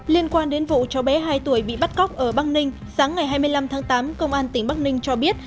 liên quan đến vụ cháu bé hai tuổi bị bắt cóc ở bắc ninh sáng ngày hai mươi năm tháng tám công an tỉnh bắc ninh cho biết